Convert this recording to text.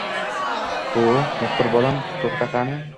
Ho`o`, muxbir bolam, to`xta qani